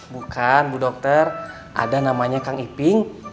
bukan bu dokter ada namanya kang iping